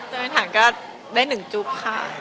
เติมเติมถังก็ได้หนึ่งจูบค่ะ